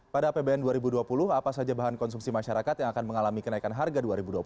pada apbn dua ribu dua puluh apa saja bahan konsumsi masyarakat yang akan mengalami kenaikan harga dua ribu dua puluh